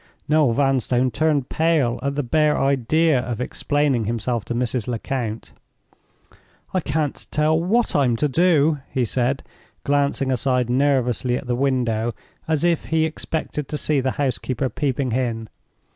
Noel Vanstone turned pale at the bare idea of explaining himself to Mrs. Lecount. "I can't tell what I'm to do," he said, glancing aside nervously at the window, as if he expected to see the housekeeper peeping in.